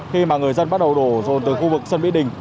khi mà người dân bắt đầu đổ rồn từ khu vực sân mỹ đình